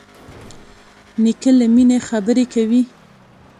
نیکه له مینې خبرې کوي.